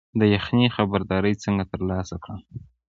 د یخنۍ خبرداری څنګه ترلاسه کړم؟